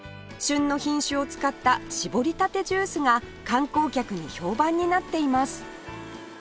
旬の品種を使った搾りたてジュースが観光客に評判になっています